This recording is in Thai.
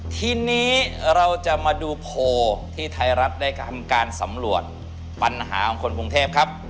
ทีนี้เราจะมาดูโพลที่ไทยรัฐได้ทำการสำรวจปัญหาของคนกรุงเทพครับ